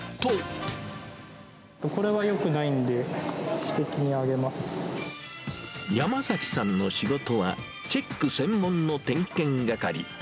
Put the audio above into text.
これはよくないんで、山崎さんの仕事は、チェック専門の点検係。